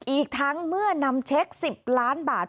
อีกทั้งเมื่อนำเช็ค๑๐ล้านบาท